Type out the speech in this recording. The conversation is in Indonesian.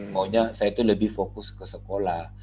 maunya saya itu lebih fokus ke sekolah